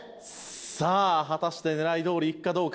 さあ果たして狙いどおりいくかどうか？